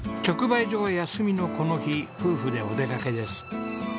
直売所が休みのこの日夫婦でお出かけです。